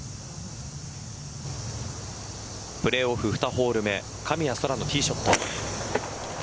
プレーオフ２ホール目神谷そらのティーショット。